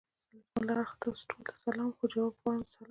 زما له اړخه تاسو ټولو ته سلام خو! جواب غواړم د سلام.